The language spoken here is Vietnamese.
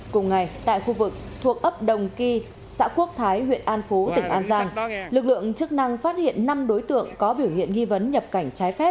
cùng ngày tại khu vực thuộc ấp đồng ky xã quốc thái huyện an phú tỉnh an giang lực lượng chức năng phát hiện năm đối tượng có biểu hiện nghi vấn